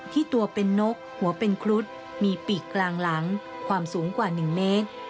ที่ตัวเป็นนกหัวเป็นครุฑมีปีกกลางหลังความสูงกว่า๑เมตร